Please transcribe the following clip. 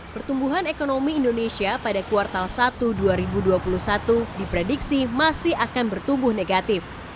pertumbuhan ekonomi indonesia pada kuartal satu dua ribu dua puluh satu diprediksi masih akan bertumbuh negatif